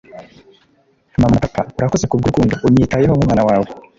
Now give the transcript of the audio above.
mama na papa, urakoze kubwurukundo unyitayeho nkumwana wawe